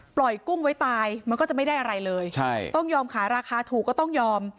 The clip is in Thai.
กุ้งไว้ตายมันก็จะไม่ได้อะไรเลยใช่ต้องยอมขายราคาถูกก็ต้องยอม